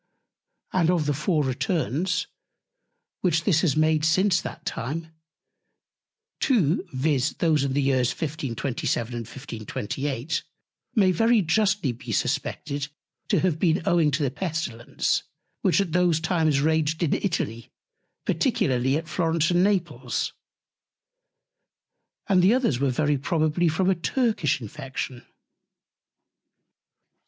And of the four Returns, which this has made since that Time; two, viz. those in the Years 1527, and 1528, may very justly be suspected to have been owing to the Pestilence, which at those Times raged in Italy, particularly at Florence and Naples. And the others were very probably from a Turkish Infection.